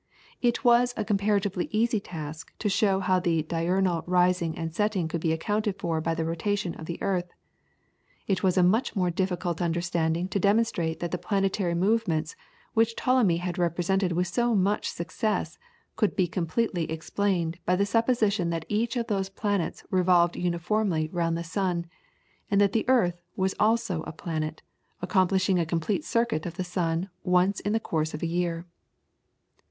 It was a comparatively easy task to show how the diurnal rising and setting could be accounted for by the rotation of the earth. It was a much more difficult undertaking to demonstrate that the planetary movements, which Ptolemy had represented with so much success, could be completely explained by the supposition that each of those planets revolved uniformly round the sun, and that the earth was also a planet, accomplishing a complete circuit of the sun once in the course of a year. [PLATE: EXPLANATION OF PLANETARY MOVEMENTS.